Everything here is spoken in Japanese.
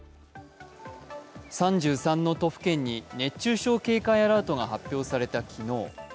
３３の都府県に熱中症警戒アラートが発表された昨日。